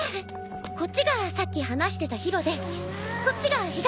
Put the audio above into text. こっちがさっき話してた宙でそっちがひがっち。